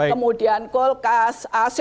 kemudian kulkas ac